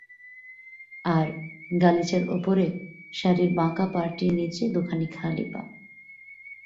আর, গালিচার উপরে শাড়ির বাঁকা পাড়টির নীচে দুখানি খালি পা।